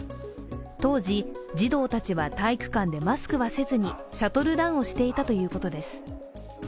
当時、児童たちは体育館でマスクはせずにシャトルランをしていたということです。